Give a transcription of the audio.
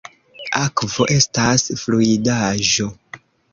Akvo estas fluidaĵo.